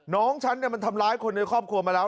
น้องฉันมันทำร้ายคนในครอบครัวมาแล้ว